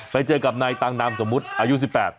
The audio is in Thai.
ไปเจอกับนายตังนามสมมุติอายุ๑๘